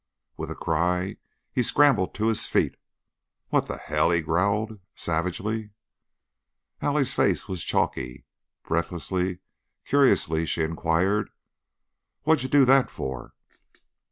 With a cry he scrambled to his feet. "What the hell ?" he growled, savagely. Allie's face was chalky. Breathlessly, curiously she inquired, "Wha'd you do that for?"